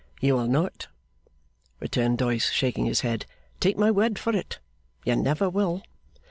'You will not,' returned Doyce, shaking his head. 'Take my word for it, you never will.